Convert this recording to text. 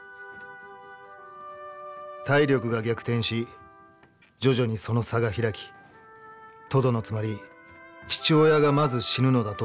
「体力が逆転し、徐々にその差が開き、とどのつまり、父親がまず死ぬのだと思っていた。